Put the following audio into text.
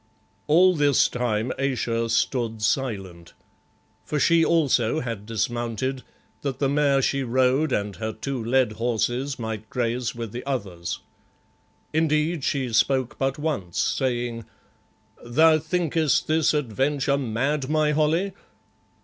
All this time Ayesha stood silent, for she also had dismounted, that the mare she rode and her two led horses might graze with the others. Indeed, she spoke but once, saying "Thou thinkest this adventure mad, my Holly?